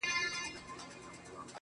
نه؛ مزل سخت نه و، آسانه و له هري چاري~